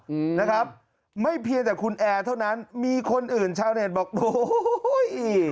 อืมนะครับไม่เพียงแต่คุณแอร์เท่านั้นมีคนอื่นชาวเน็ตบอกโอ้ย